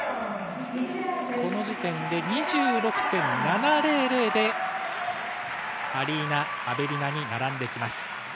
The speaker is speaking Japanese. この時点で２６．７００でアリーナ・アベリナに並んできます。